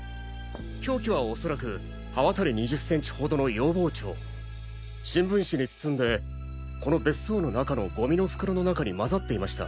凶器は恐らく刃渡り２０センチほどの洋包丁新聞紙に包んでこの別荘の中のゴミの袋の中に混ざっていました。